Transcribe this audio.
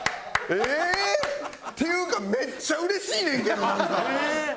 ええー？っていうかめっちゃうれしいねんけどなんか！